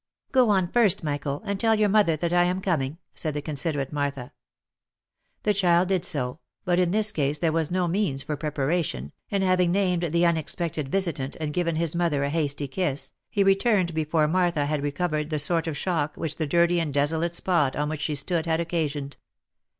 " Go in first, Michael, and tell your mother that I am coming," said the considerate Martha. The child did so, but in this case there was no means for preparation, and having named the unexpected visitant and given his mother a hasty kiss, he returned before Martha had recovered the sort of shock which the dirty and desolate spot on which she stood had occasioned.